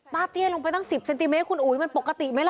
เตี้ยลงไปตั้ง๑๐เซนติเมตรคุณอุ๋ยมันปกติไหมล่ะ